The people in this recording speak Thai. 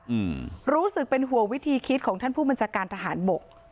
อืมรู้สึกเป็นห่วงวิธีคิดของท่านผู้บัญชาการทหารบก